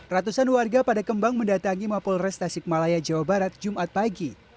ratusan warga pada kembang mendatangi mapul restasi kemalaya jawa barat jumat pagi